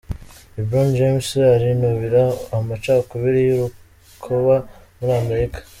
LeBron James arinubira amacakubiri y'urukoba muri Amerika.